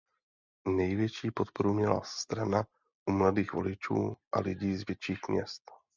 Největší podporu měla strana u mladých voličů a lidí z větších měst.